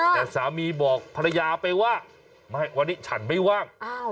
แต่สามีบอกภรรยาไปว่าวันนี้ฉันไม่ว่าง